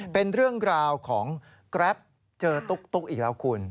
เป็นเรื่องราวของแกรปเจอตุ๊กอีกแล้วคุณ